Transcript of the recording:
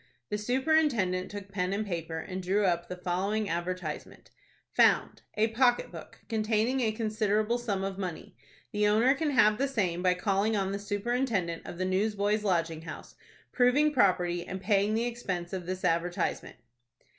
The superintendent took pen and paper, and drew up the following advertisement:— "FOUND.—A pocket book, containing a considerable sum of money. The owner can have the same by calling on the Superintendent of the Newsboys' Lodging House, proving property, and paying the expense of this advertisement."